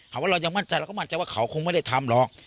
ว่าเรายังมั่นใจเราก็มั่นใจว่าเขาคงไม่ได้ทำหรอก